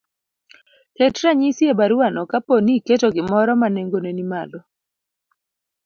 ket ranyisi e baruano kapo ni iketo gimoro ma nengone ni malo,